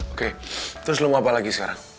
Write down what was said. oke terus lu mau apa lagi sekarang